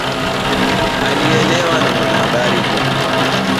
Alilelewa na mwanahabari Juma